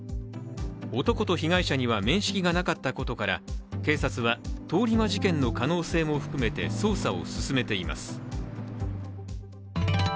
男と被害者には面識がなかったことから警察は、通り魔事件の可能性も含めて捜査を進めています。